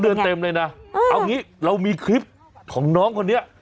เดือนเต็มเลยนะเอางี้เรามีคลิปของน้องคนนี้